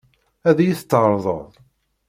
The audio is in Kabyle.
Ad iyi-t-tɛeṛḍeḍ?